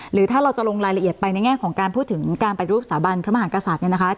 หรือถ้าเราจะลงรายละเอียดไปในแง่ของการพูดถึงการเป็นรูปสถาบันพมหากศาสตร์